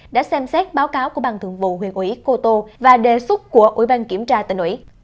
đã xem xét báo cáo của ban thường vụ huyện ủy cô tô và đề xuất của ủy ban kiểm tra tỉnh ủy